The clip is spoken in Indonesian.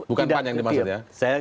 bukan pan yang dimaksud ya